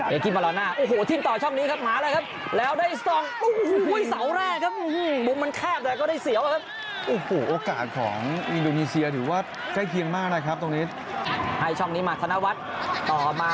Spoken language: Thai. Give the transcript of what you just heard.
เอกิมมารอน่าโอ้โหทิ้นต่อช่องนี้ครับ